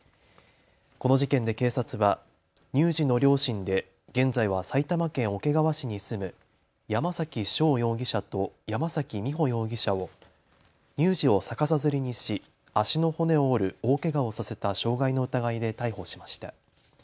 この事件で警察は乳児の両親で現在は埼玉県桶川市に住む山崎翔容疑者と山崎美穂容疑者を乳児を逆さづりにし足の骨を折る大けがをさせた傷害の疑いで逮捕しました。